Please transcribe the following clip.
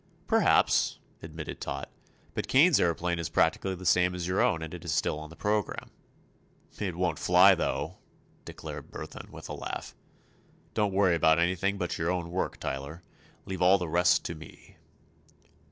"Perhaps," admitted Tot. "But Kane's aëroplane is practically the same as your own, and it is still on the programme." "It won't fly, though," declared Burthon, with a laugh. "Don't worry about anything but your own work, Tyler. Leave all the rest to me."